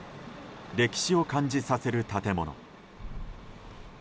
歴史を感じさせる建物。